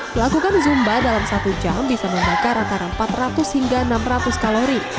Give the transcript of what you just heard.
melakukan zumba dalam satu jam bisa membakar antara empat ratus hingga enam ratus kalori